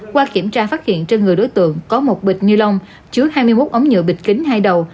qua kiểm tra phát hiện trên người đối tượng có một bịch như lông chứa hai mươi một ống nhựa bịch kính hay đầu